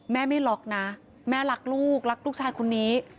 แม่ไม่ล็อกนะแม่รักลูกรักลูกชายคนนี้